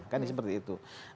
kan seperti itu